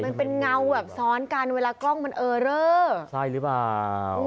มันเป็นเวลาส้อนกันเวลากล้องมันเออเนื่อง